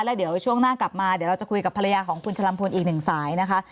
แล้วเดี๋ยวช่วงหน้ากลับมาเดี๋ยวเราจะคุยกับภรรยาของคุณชะลำพลอีกหนึ่งสายนะคะ